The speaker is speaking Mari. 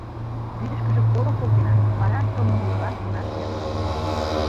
Вӱдышкыжӧ колым колтена, вара кылмымужылан илаш вер ок код.